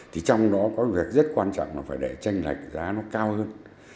thì trong đó có việc rất quan trọng là phải để tranh lệch giá nó cao hơn